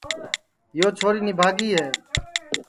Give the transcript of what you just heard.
یو چھوری نِبھاگی ہے